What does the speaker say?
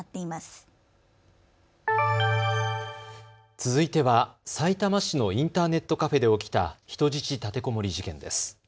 続いては、さいたま市のインターネットカフェで起きた人質立てこもり事件です。